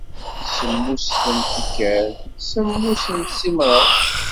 Semmuset n tikkal semmus d simraw.